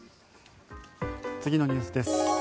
次のニュースです。